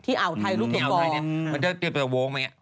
ที่อ่าวไทยรูปตัวอ่าวไทยนี่มันจะเตรียมเป็นโวงแบบนี้